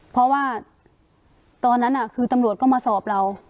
เพราะว่าตอนนั้นคือตำรวจก็มาสอบเรา